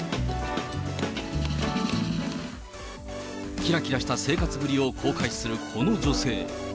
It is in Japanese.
きらきらした生活ぶりを公開するこの女性。